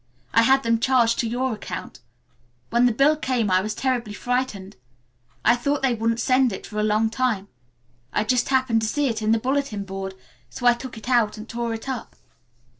I had them charged to your account. When the bill came I was terribly frightened. I thought they wouldn't send it for a long time. I just happened to see it in the bulletin board, so I took it out and tore it up.